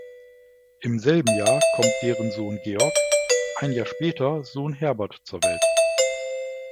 Im selben Jahr kommt deren Sohn Georg, ein Jahr später Sohn Herbert zur Welt.